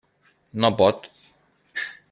No pot.